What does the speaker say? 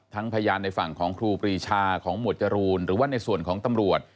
พยานในฝั่งของครูปรีชาของหมวดจรูนหรือว่าในส่วนของตำรวจ